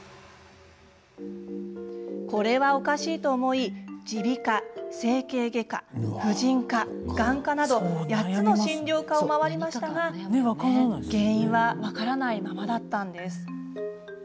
これはおかしいと思い耳鼻科、整形外科、婦人科眼科など、８つの診療科をまわりましたが原因は分からないままでした。